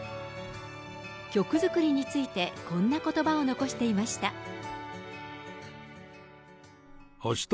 曲作りについてこんなことばを残していました。